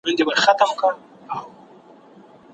زما خور په انټرنیټ کې د ویبپاڼې د جوړولو هنر زده کوي.